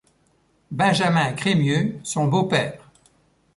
Benjamin Crémieux, son beau-père.